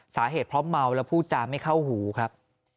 สาเหตุเพราะเมาแล้วพูดจาไม่เข้าหูครับ